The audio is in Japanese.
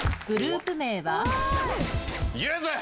グループ名は？